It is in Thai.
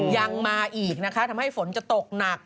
ยังมาอีกนะคะทำให้ฝนจะตกหนัก